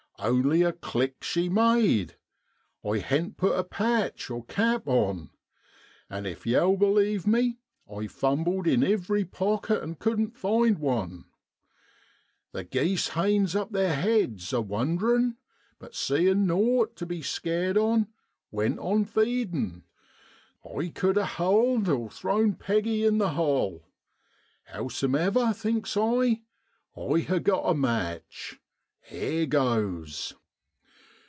Only a click she made I hadn't put a patch (cap) on. And if yow b'lieve me, I fumbled in ivery pocket an' cuddn't find one. The geese hams up theer heads a wonderin', but seein' nought to be skeered on went on feedin'. I cud ha' hulled (thrown) Peggy in the holl. Howsomever, thinks I, I ha' got a match; here goes.